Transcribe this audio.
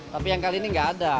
tapi yang kali ini nggak ada